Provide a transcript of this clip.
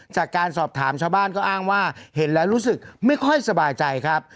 จากการสอบถามชาวบ้านก็อ้างว่าเห็นแล้วรู้สึกไม่ค่อยสบายใจครับ